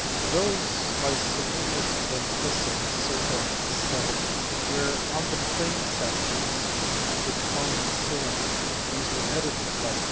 Those by Serenus of Antissa, circ. 70, were on the plane sections of the cone and cylinder ; these were edited by E.